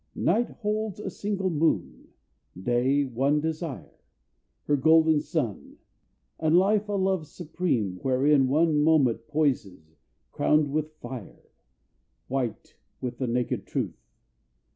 Night holds a single moon, day one desire Her golden sun; and life a love supreme, Wherein one moment poises, crowned with fire, White with the naked truth.